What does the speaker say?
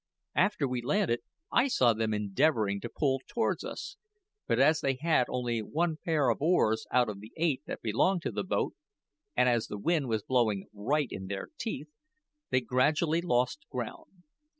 After we landed I saw them endeavouring to pull towards us; but as they had only one pair of oars out of the eight that belonged to the boat, and as the wind was blowing right in their teeth, they gradually lost ground.